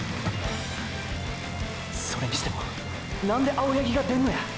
それにしてもなんで青八木が出んのや？